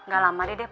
gak lama dede pulang